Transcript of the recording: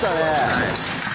はい。